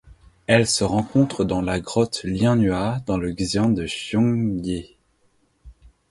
Elle se rencontre dans la grotte Lianhua dans le xian de Chongyi.